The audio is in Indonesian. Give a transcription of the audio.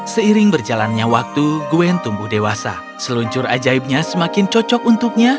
seiring berjalannya waktu gwen tumbuh dewasa seluncur ajaibnya semakin cocok untuknya